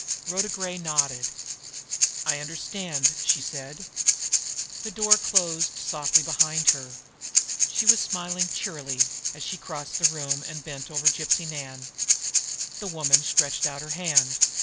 Rhoda Gray nodded. "I understand," she said. The door closed softly behind her. She was smiling cheerily as she crossed the room and bent over Gypsy Nan. The woman stretched out her hand.